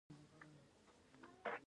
ایا غوسه نه کوي؟